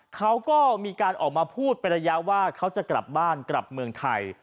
เขาก็มีการออกมาพูดเป็นระยะว่าเขาจะกลับบ้านกลับเมืองไทย